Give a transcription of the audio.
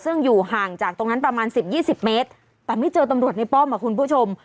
ซึ่งอยู่ห่างจากตรงนั้นประมาณสิบยี่สิบเมตรแต่ไม่เจอตำรวจในป้อมอ่ะคุณผู้ชม